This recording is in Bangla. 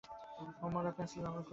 হুম, ওরা পেন্সিল ব্যবহার করেছিল।